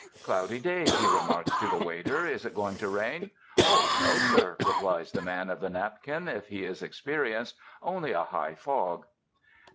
''Cloudy day," he remarks to the waiter, "is it going to rain?" "Oh, no, sir," replies the man of the napkin, if he is experienced, "only a high fog."